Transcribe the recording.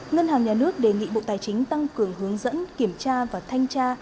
ngân hàng nhà nước đề nghị bộ tài chính tăng cường hướng dẫn kiểm tra và thanh tra